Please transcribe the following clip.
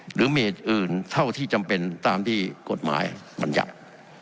หรือเหตุอื่นเท่าที่จำเป็นตามที่กฎหมายบรรยัติ